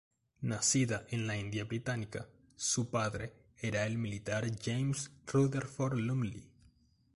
Nacida en la India Británica, su padre era el militar James Rutherford-Lumley.